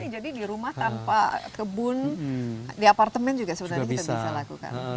jadi di rumah tanpa kebun di apartemen juga sebenarnya kita bisa lakukan